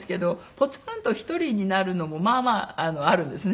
ポツンと１人になるのもまあまああるんですね。